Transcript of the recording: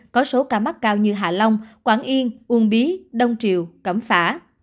có số ca mắc cao như hạ long quảng yên uông bí đông triều cẩm phả